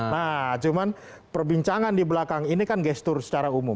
nah cuman perbincangan di belakang ini kan gestur secara umum